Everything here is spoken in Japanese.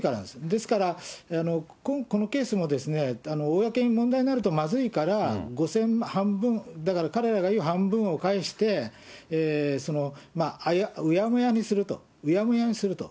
ですから、このケースも公に問題になるとまずいから、５０００万、半分、だから彼らが言う半分を返して、うやむやにすると、うやむやにすると。